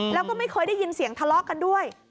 แล้วก็ไม่เคยได้ยินเสียงทะเลาะกันด้วย